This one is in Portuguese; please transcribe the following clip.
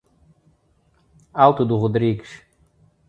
Alto do Rodrigues